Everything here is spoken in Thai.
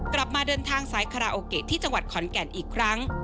กลับมาเดินทางสายคาราโอเกะที่จังหวัดขอนแก่นอีกครั้ง